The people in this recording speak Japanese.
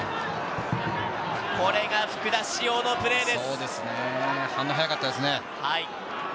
これが福田師王のプレーです。